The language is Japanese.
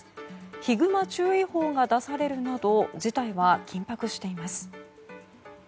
ヒグマ注意報が出されるなど事態は緊迫しています。